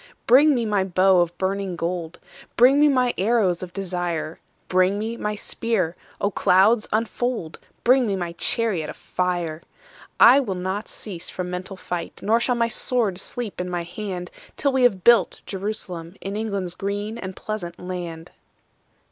Bring me my bow of burning gold: Bring me my arrows of desire: Bring me my spear: O clouds unfold! Bring me my chariot of fire. I will not cease from mental fight, Nor shall my sword sleep in my hand Till we have built Jerusalem In England's green and pleasant land.